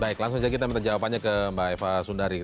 baik langsung saja kita minta jawabannya ke mbak eva sundari